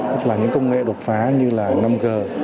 tức là những công nghệ đột phá như là năm g